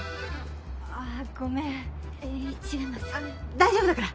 大丈夫だから！